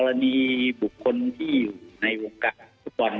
กรณีสู่บุคคลที่อยู่ในวงการซุดบอล